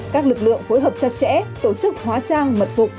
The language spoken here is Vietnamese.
các lực lượng phối hợp chặt chẽ tổ chức hóa trang mật phục